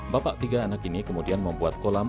bapak tiga anak ini kemudian membuat kolam